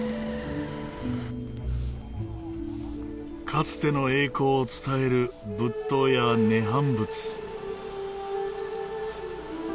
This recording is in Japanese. かつての栄光を伝える仏塔や涅槃仏。